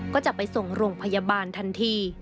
ก็จะไปส่งโรงพยาบาลทันที